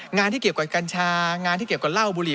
งานที่เกี่ยวกับกัญชางานที่เกี่ยวกับเหล้าบุห